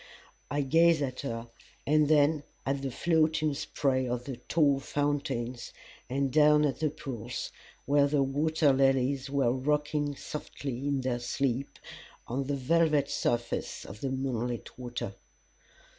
I gazed at her, and then at the floating spray of the tall fountains, and down at the pools, where the waterlilies were rocking softly in their sleep on the velvet surface of the moonlit water.